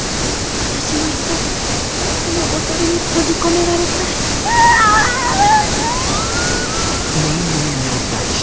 私もいっそこのボトルに閉じ込められたいうわあ！